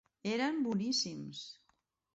Eren boníssims.